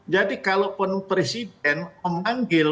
jadi kalaupun presiden memanggil